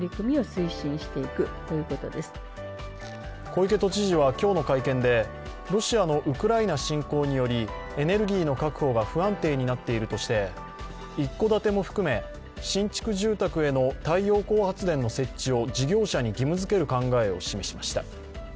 小池都知事は今日の会見でロシアのウクライナ侵攻によりエネルギーの確保が不安定になっているとして一戸建ても含め、新築住宅への太陽光発電の設置を事業者に義務づける考えを示しました。